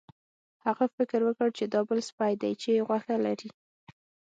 هغه فکر وکړ چې دا بل سپی دی چې غوښه لري.